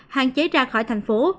hạn chế ra khỏi thành phố